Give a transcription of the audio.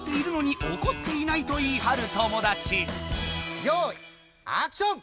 お題はよいアクション！